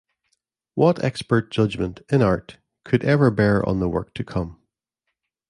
What expert judgment, in art, could ever bear on the work to come?